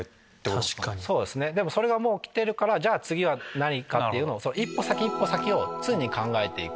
それがもうきてるから次は何かっていうのを一歩先一歩先を常に考えていく。